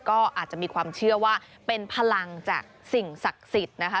ก็อาจจะมีความเชื่อว่าเป็นพลังจากสิ่งศักดิ์สิทธิ์นะคะ